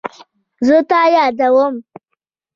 زه تا یادوم